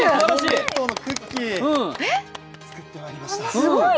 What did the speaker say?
日本列島のクッキー、作ってまいりました。